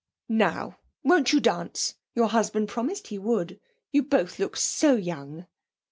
Now, won't you dance? Your husband promised he would. You both look so young!'